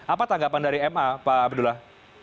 apa tanggapan dari ma pak abdullah